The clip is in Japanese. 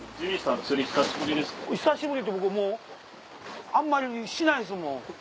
久しぶり僕あんまりしないですもん。